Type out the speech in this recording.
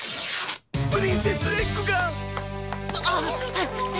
プリンセスエッグが！